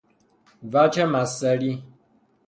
وجه مصدری